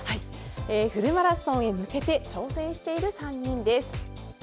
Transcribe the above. フルマラソンへ向けて挑戦している３人です。